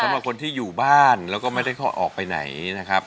สำหรับคนที่อยู่บ้านแล้วก็ไม่ได้ออกไปไหนนะครับ